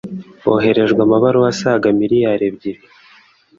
hoherejwe amabaruwa asaga miliyari ebyiri.